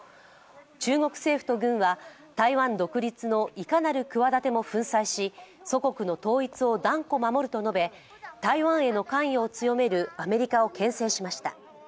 中国政府と軍は、台湾独立のいかなる企ても粉砕し祖国の統一を断固守ると述べ、台湾への関与を強めるアメリカをけん制しました。